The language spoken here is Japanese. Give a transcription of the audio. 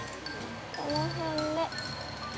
この辺で。